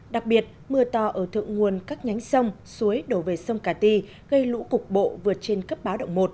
đặc biệt mưa to ở thượng nguồn các nhánh sông suối đổ về sông cà ti gây lũ cục bộ vượt trên cấp báo động một